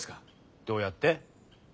どうやって？